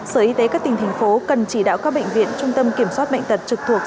sở y tế các tỉnh thành phố cần chỉ đạo các bệnh viện trung tâm kiểm soát bệnh tật trực thuộc